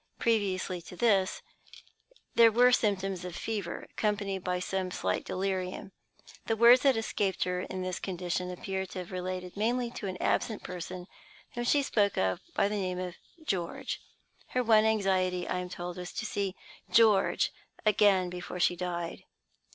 Previously to this, there were symptoms of fever, accompanied by some slight delirium. The words that escaped her in this condition appear to have related mainly to an absent person whom she spoke of by the name of 'George.' Her one anxiety, I am told, was to see 'George' again before she died.